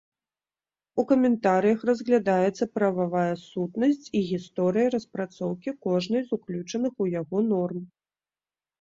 У каментарыях разглядаецца прававая сутнасць і гісторыя распрацоўкі кожнай з уключаных у яго норм.